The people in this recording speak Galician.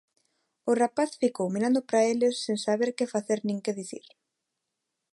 O rapaz ficou mirando para eles sen saber que facer nin que dicir.